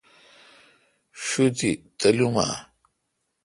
شوتی تلوم اؘ۔